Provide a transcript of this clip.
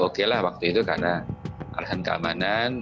ya okelah waktu itu karena arahan keamanan